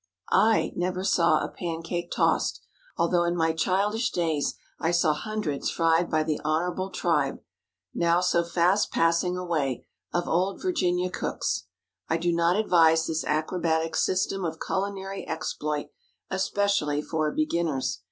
I never saw a pancake tossed, although in my childish days I saw hundreds fried by the honorable tribe—now so fast passing away—of Old Virginia cooks. I do not advise this acrobatic system of culinary exploit, especially for beginners.